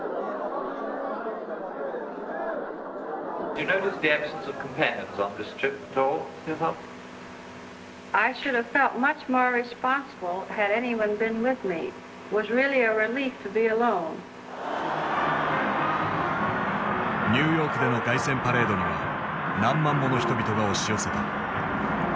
ニューヨークでの凱旋パレードには何万もの人々が押し寄せた。